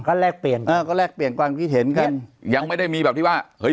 ก็แลกเปลี่ยนกันเออก็แลกเปลี่ยนความคิดเห็นกันยังไม่ได้มีแบบที่ว่าเฮ้ย